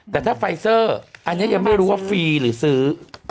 แต่ถ้าไฟเซอร์อันนี้ยังไม่รู้ว่าฟรีหรือซื้อ